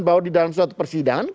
bahwa di dalam suatu persidangan